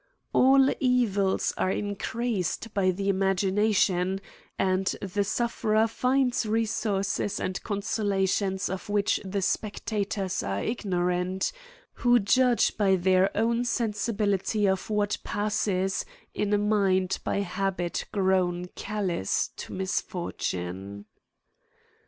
All evils are in creased by the imagination, and the sufferer finds resources and consolations of which the spectators are ignorant, who judge by their own sensibility of what passes in a mind by habit grown callous to misfortune.